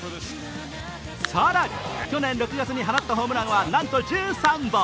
更に去年６月に放ったホームランはなんと１３本。